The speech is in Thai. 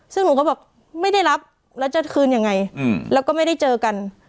ซึ่งหนูก็บอกไม่ได้รับแล้วจะคืนยังไงแล้วก็ไม่ได้เจอกัน